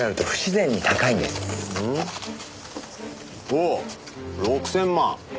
おお６０００万。